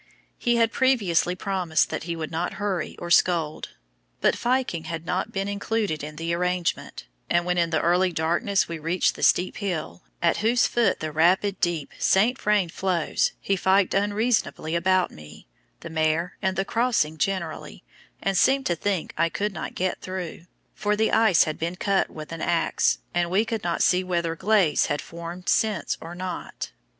He had previously promised that he would not hurry or scold, but "fyking" had not been included in the arrangement, and when in the early darkness we reached the steep hill, at whose foot the rapid deep St. Vrain flows, he "fyked" unreasonably about me, the mare, and the crossing generally, and seemed to think I could not get through, for the ice had been cut with an axe, and we could not see whether "glaze" had formed since or not.